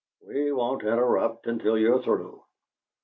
We won't interrupt until you're through."